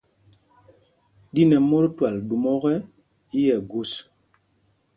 Ɗín ɛ̄ mót twal ɗūm ɔ́kɛ, í Ɛgūs.